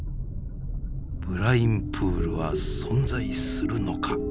ブラインプールは存在するのか。